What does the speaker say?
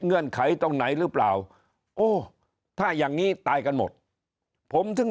เงืนไขตรงไหนหรือเปล่าโอ้ถ้าอย่างนี้ตายกันหมดผมถึง